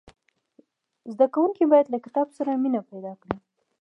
زدهکوونکي باید له کتاب سره مینه پیدا کړي.